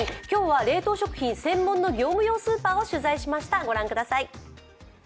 今日は冷凍食品専門の業務用スーパーを取材しました。